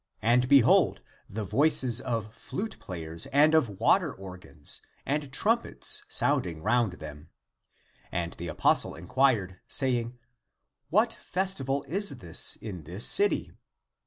And, behold, the voices of flute players and of water organs, and trumpets sounding round them. And the apostle inquired, saying, " What festival is this in this city?"